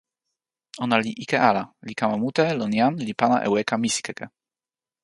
ona li ike ala, li kama mute lon jan li pana e weka misikeke.